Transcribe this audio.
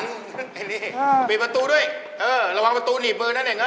ขอสุข